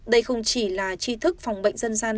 đây không chỉ là chi thức phòng bệnh dân gian